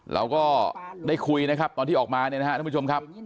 เราก็ได้คุยนะครับตอนที่ออกมาเนี่ยนะครับท่านผู้ชมครับ